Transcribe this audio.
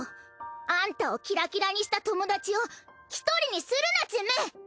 アンタをキラキラにした友達を１人にするなチム！